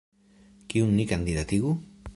Kiun ni kandidatigu?